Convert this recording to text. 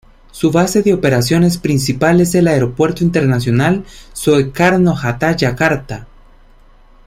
Su base de operaciones principal es el Aeropuerto Internacional Soekarno-Hatta, Yakarta.